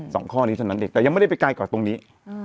ข้อนี้เท่านั้นเองแต่ยังไม่ได้ไปไกลกว่าตรงนี้